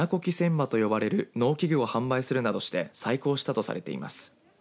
刃と呼ばれる農機具を販売するなどして再興したとされています。